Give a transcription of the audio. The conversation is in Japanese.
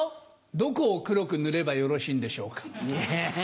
どこを黒く塗ればよろしいんでしょうか？